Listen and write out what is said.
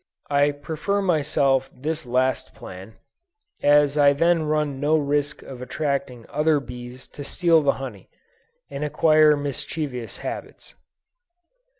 I prefer myself this last plan, as I then run no risk of attracting other bees to steal the honey, and acquire mischievous habits.